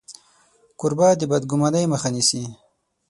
کوربه د بدګمانۍ مخه نیسي.